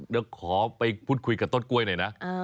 เดี๋ยวขอไปพูดคุยกับต้นกล้วยหน่อยนะ